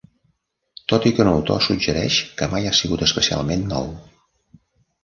Tot i que un autor suggereix que mai ha sigut especialment nou.